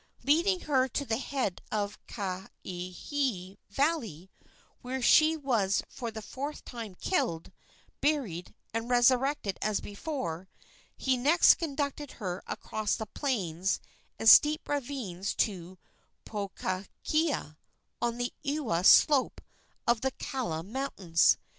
Leading her to the head of Kalihi valley, where she was for the fourth time killed, buried and resurrected as before, he next conducted her across plains and steep ravines to Pohakea, on the Ewa slope of the Kaala mountains.